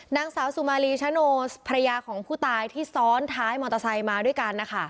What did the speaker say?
นางสาวสุมารีชะโนภรรยาของผู้ตายที่ซ้อนท้ายมอเตอร์ไซค์มาด้วยกันนะคะ